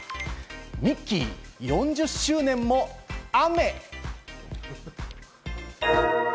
ミッキー、４０周年も雨。